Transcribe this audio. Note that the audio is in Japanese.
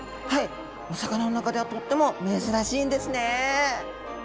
お魚の中ではとっても珍しいんですね。